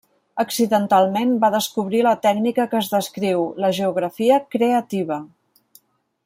Accidentalment va descobrir la tècnica que es descriu: la geografia creativa.